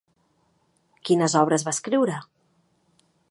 Quines obres va escriure?